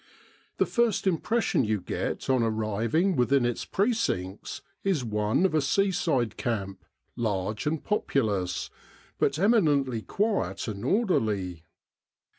The first impression you get on arriving within its precincts is one of a seaside camp large and populous, but eminently quiet and With the R.A.M.C. in Egypt orderly.